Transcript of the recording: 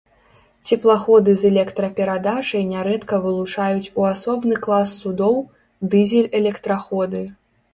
Цеплаходы з электраперадачай нярэдка вылучаюць у асобны клас судоў, дызель-электраходы.